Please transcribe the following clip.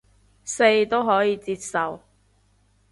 四都可接受